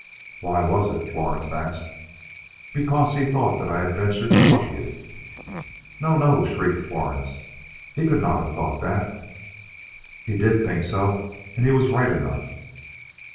"Why was it?" Florence asked. "Because he thought that I had ventured to love you." "No, no!" shrieked Florence; "he could not have thought that." "He did think so, and he was right enough.